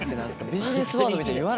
ビジネスワードみたいに言わないで。